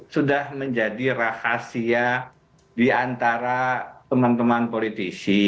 sudah menjadi rahasia diantara teman teman politisi